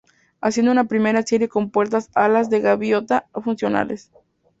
Haciendo una primera serie con puertas alas de gaviota funcionales.